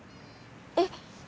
えっ？